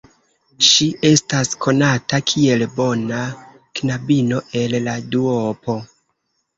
Ŝi estas konata kiel bona knabino el la duopo.